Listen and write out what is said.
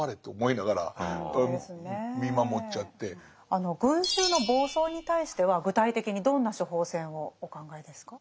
あの群衆の暴走に対しては具体的にどんな「処方箋」をお考えですか？